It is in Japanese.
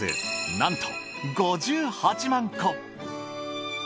なんと５８万個。